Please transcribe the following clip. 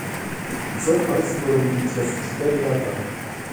"co państwo robili przez cztery lata?"